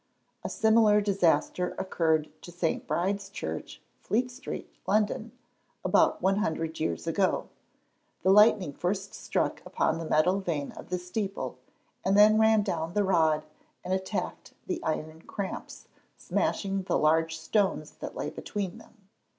A similar disaster occurred to St. Bride's church, Fleet street, London, about 100 years ago. The lightning first struck upon the metal vane of the steeple, and then ran down the rod and attacked the iron cramps, smashing the large stones that lay between them.